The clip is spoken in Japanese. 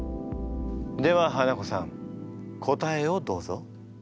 ではハナコさん答えをどうぞ。